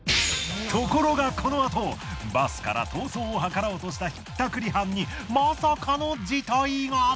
ところがこのあとバスから逃走を図ろうとしたひったくり犯にまさかの事態が。